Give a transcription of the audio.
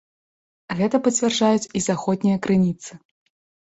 Гэта пацвярджаюць і заходнія крыніцы.